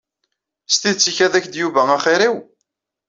S tidet ikad-ak-d Yuba axir-iw?